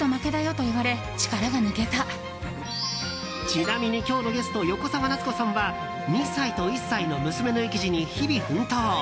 ちなみに今日のゲスト横澤夏子さんは２歳と１歳の娘の育児に日々奮闘。